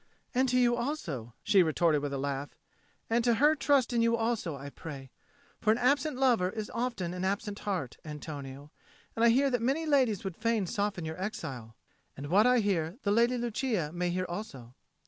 "And to you also," she retorted with a laugh. "And to her trust in you also, I pray. For an absent lover is often an absent heart, Antonio, and I hear that many ladies would fain soften your exile. And what I hear, the Lady Lucia may hear also."